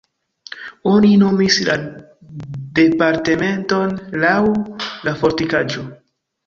Oni nomis la departementon laŭ la fortikaĵo.